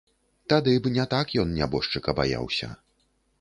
Тады б не так ён нябожчыка баяўся.